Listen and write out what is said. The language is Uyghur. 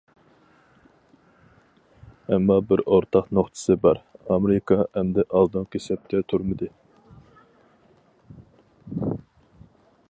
ئەمما بىر ئورتاق نۇقتىسى بار: ئامېرىكا ئەمدى ئالدىنقى سەپتە تۇرمىدى.